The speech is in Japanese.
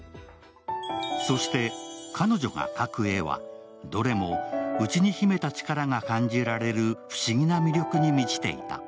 そして、彼女が描く絵はどれも内に秘めた力が感じられる不思議な魅力に満ちていた。